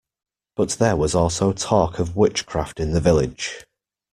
But there was also talk of witchcraft in the village.